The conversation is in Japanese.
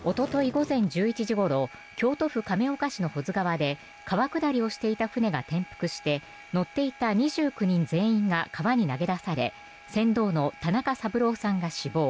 午前１１時ごろ京都府亀岡市の保津川で川下りをしていた船が転覆して乗っていた２９人全員が川に投げ出され船頭の田中三郎さんが死亡。